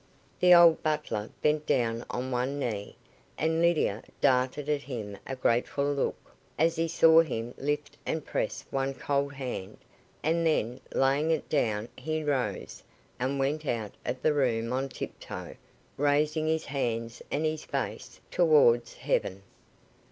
The old butler bent down on one knee, and Lydia darted at him a grateful look, as she saw him lift and press one cold hand, and then, laying it down, he rose, and went out of the room on tiptoe, raising his hands and his face towards Heaven.